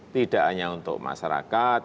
tidak hanya untuk masyarakat